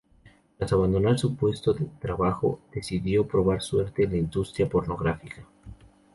Tras abandonar su puesto de trabajo, decidió probar suerte en la industria pornográfica.